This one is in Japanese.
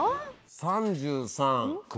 ３３。